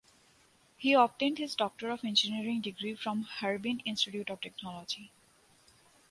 He obtained his Doctor of Engineering degree from Harbin Institute of Technology.